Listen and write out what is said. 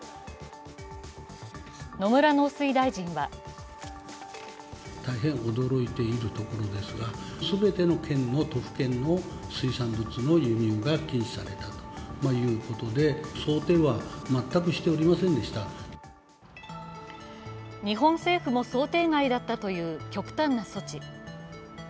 野村農水大臣は日本政府も想定外だったという極端な措置。